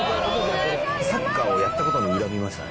サッカーをやったことを恨みましたね。